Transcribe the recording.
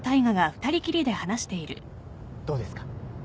どうですか？